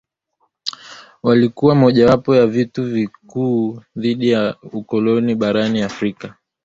vilikuwa mojawapo ya vita vikuu dhidi ya ukoloni barani Afrika